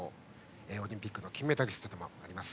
オリンピックの金メダリストでもあります